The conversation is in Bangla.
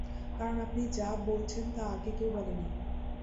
কারণ আপনি যা বলছেন, তা আগে কেউ বলে নি।